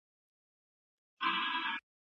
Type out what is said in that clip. څیړونکي څنګه د استازو سره مرسته کوي؟